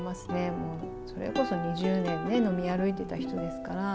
もうそれこそ２０年ね、飲み歩いてた人ですから。